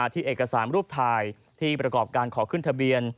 ที่เอกสารรูปถ่ายที่ประกอบการขอขึ้นทะเบียน